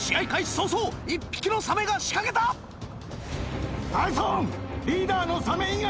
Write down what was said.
早々１匹のサメが仕掛けたタイソン！